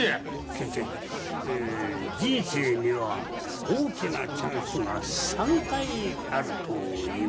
先生人生には大きなチャンスが３回あるといいます。